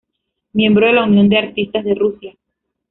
Miembro de la Unión de artistas de Rusia.